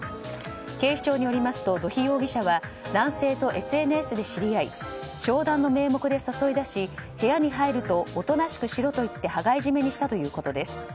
警視庁によりますと土肥容疑者は男性とＳＮＳで知り合い商談の名目で誘い出し部屋に入るとおとなしくしろと言って羽交い締めにしたということです。